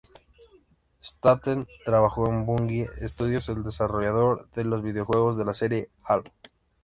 Staten trabajó en Bungie Studios, el desarrollador de los videojuegos de la serie Halo.